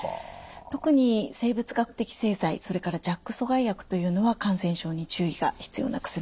特に生物学的製剤それからＪＡＫ阻害薬というのは感染症に注意が必要な薬になります。